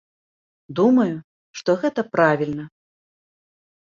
Думаю, што гэта правільна.